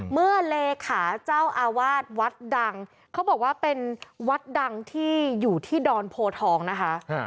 เลขาเจ้าอาวาสวัดดังเขาบอกว่าเป็นวัดดังที่อยู่ที่ดอนโพทองนะคะ